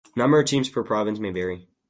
Number of teams per province may vary.